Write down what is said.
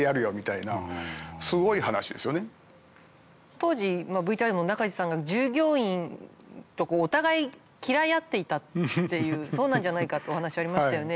当時ＶＴＲでも中路さんが従業員とお互い嫌い合っていたっていうそうなんじゃないかってお話ありましたよね。